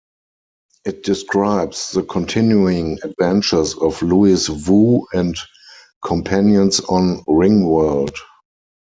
It describes the continuing adventures of Louis Wu and companions on Ringworld.